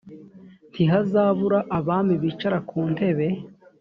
ntihazabura abami bicara ku ntebe